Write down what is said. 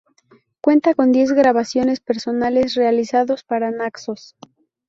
Cuenta con diez grabaciones personales realizados para Naxos.